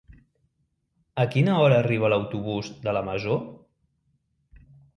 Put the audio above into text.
A quina hora arriba l'autobús de la Masó?